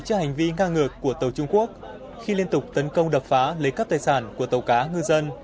trước hành vi ngang ngược của tàu trung quốc khi liên tục tấn công đập phá lấy cắp tài sản của tàu cá ngư dân